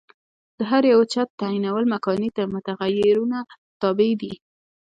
د هر یوه چت تعینول مکاني متغیرونو تابع دي.